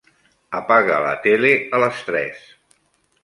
Apaga la tele a les tres.